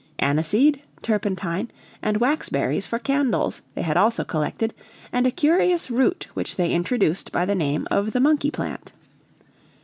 Aniseed, turpentine, and wax berries for candles, they had also collected, and a curious root which they introduced by the name of the monkey plant.